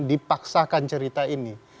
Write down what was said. dipaksakan cerita ini